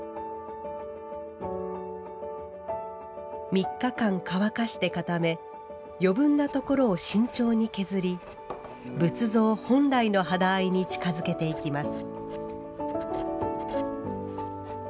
３日間乾かして固め余分な所を慎重に削り仏像本来の肌合いに近づけていきます。